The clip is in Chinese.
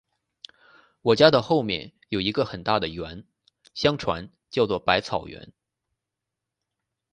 我家的后面有一个很大的园，相传叫作百草园